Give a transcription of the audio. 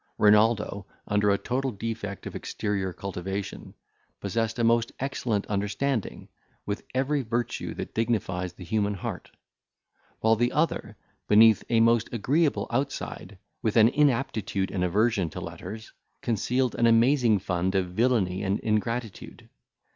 Renaldo, under a total defect of exterior cultivation, possessed a most excellent understanding, with every virtue that dignifies the human heart; while the other, beneath a most agreeable outside, with an inaptitude and aversion to letters, concealed an amazing fund of villany and ingratitude.